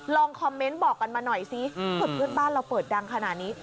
คอมเมนต์บอกกันมาหน่อยสิเพื่อนบ้านเราเปิดดังขนาดนี้